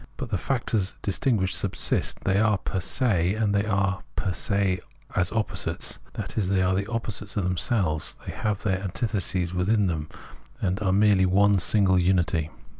Both the factors distinguished subsist ; they are per se, and they are fer se as opposites, that is, are the oppositea of themselves ; they have their antithesis withia. them, and are merely one single unity.